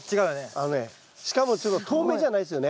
あのねしかもちょっと透明じゃないですよね。